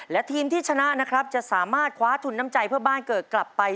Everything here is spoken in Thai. และทีมที่ชนะนะครับจะสามารถคว้าทุนน้ำใจเพื่อบ้านเกิดกลับไป